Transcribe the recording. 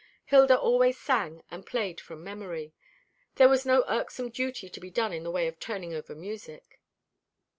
Hilda always sang and played from memory. There was no irksome duty to be done in the way of turning over music.